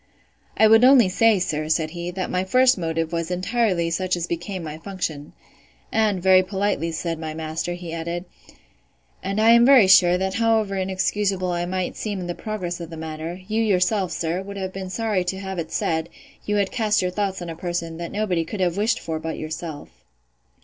I would only say, sir, said he, that my first motive was entirely such as became my function: And, very politely, said my master, he added, And I am very sure, that however inexcusable I might seem in the progress of the matter, yourself, sir, would have been sorry to have it said, you had cast your thoughts on a person, that nobody could have wished for but yourself.